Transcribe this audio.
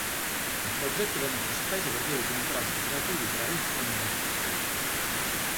Il progetto venne sospeso per via di contrasti creativi tra Rifkin e lo studio..